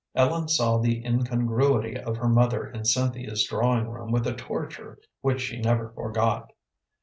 Ellen saw the incongruity of her mother in Cynthia's drawing room with a torture which she never forgot.